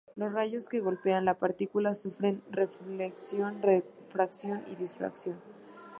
Los rayos que golpean la partícula sufren reflexión, refracción y difracción.